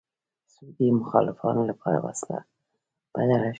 سعودي مخالفانو لپاره وسله بدله شوه